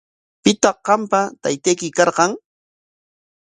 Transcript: ¿Pitaq qampa taytayki karqan?